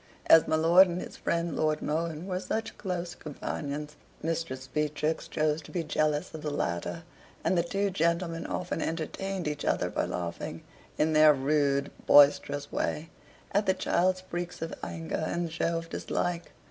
As my lord and his friend Lord Mohun were such close companions, Mistress Beatrix chose to be jealous of the latter; and the two gentlemen often entertained each other by laughing, in their rude boisterous way, at the child's freaks of anger and show of dislike.